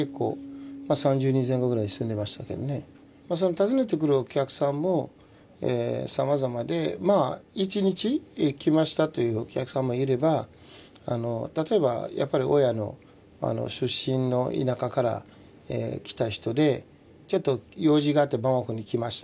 訪ねてくるお客さんもさまざまでまあ１日来ましたというお客さんもいれば例えばやっぱり親の出身の田舎から来た人でちょっと用事があってバマコに来ました。